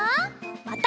また。